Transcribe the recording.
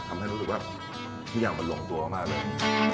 ทำให้รู้สึกว่าทุกอย่างมันลงตัวมากเลย